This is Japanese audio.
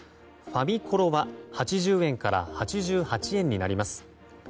ファミコロは８０円から８８円になります。